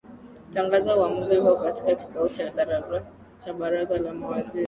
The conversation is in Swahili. tangaza uamuzi huo katika kikao cha dharura cha baraza la mawaziri